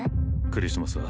クリスマスは？